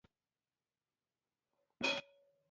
ټوماس فریډمن تر دې هم مخکې تللی.